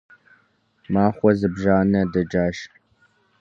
Махуэ зыбжанэ дэкӀащ.